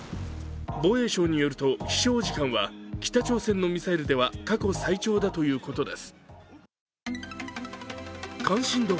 防衛省によると飛しょう時間は北朝鮮のミサイルでは過去最長だということです。